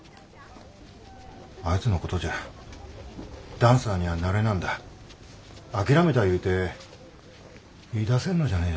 あいつのことじゃダンサーにゃあなれなんだ諦めたいうて言い出せんのじゃねえ